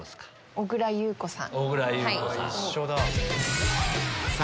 小倉優子さん。